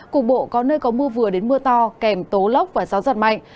cục bộ có nơi có mưa vừa đến mưa to kèm tố lốc và gió giật mạnh